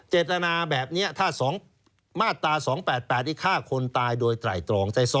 เจตนาแบบนี้ถ้า๒มาตรา๒๘๘ที่ฆ่าคนตายโดยไตรตรอง